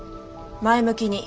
前向きに。